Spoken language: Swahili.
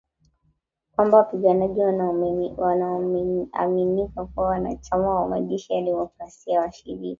Kwamba wapiganaji wanaoaminika kuwa wanachama wa Majeshi ya demokrasia washirika.